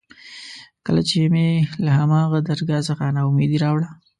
کله چې مې له هماغه درګاه څخه نا اميدي راوړه.